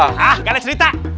hah gak ada cerita